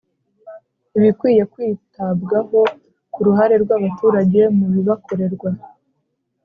Ibikwiye kwitabwaho ku ruhare rw abaturage mu bibakorerwa